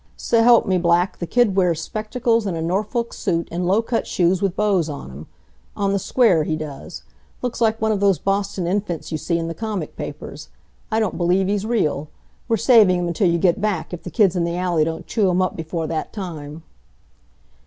"S'elp me, Black, the kid wears spectacles and a Norfolk suit, and low cut shoes with bows on 'em. On the square he does. Looks like one of those Boston infants you see in the comic papers. I don't believe he's real. We're saving him until you get back, if the kids in the alley don't chew him up before that time."